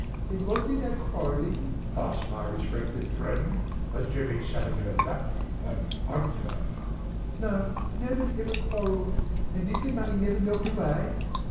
"And was there no quarrelling?" asked my respected friend, as Jemmy sat upon her lap and hugged her. "No! Nobody ever quarrelled." "And did the money never melt away?"